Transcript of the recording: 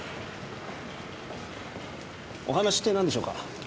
お話ってなんでしょうか？